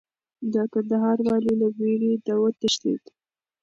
د کندهار والي له ویرې وتښتېد.